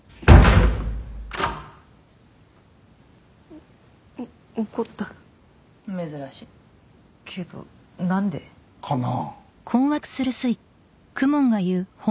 お怒った「珍しい」けどなんで？かな？